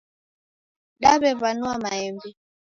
Daw'ew'anua maembe.